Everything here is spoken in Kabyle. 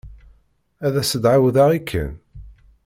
Ad as-d-ɛawdeɣ i Ken?